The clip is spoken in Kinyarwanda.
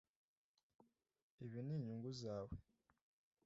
Ibi ni inyungu zawe.